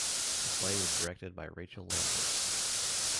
The play was directed by Rachel Lampert.